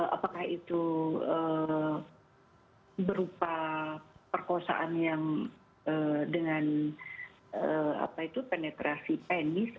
apakah itu berupa perkosaan yang dengan penetrasi penis